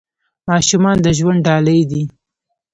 ماشومان د ژوند ډالۍ دي .